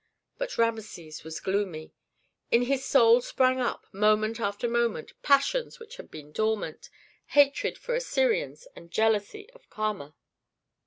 But Rameses was gloomy. In his soul sprang up, moment after moment, passions which had been dormant, hatred for Assyrians and jealousy of Kama.